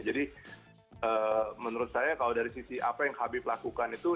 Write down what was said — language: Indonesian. jadi menurut saya kalau dari sisi apa yang khabib lakukan itu